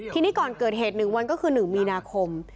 ทีนี้ก่อนเกิดเหตุ๑วันก็คือ๑มีนาคม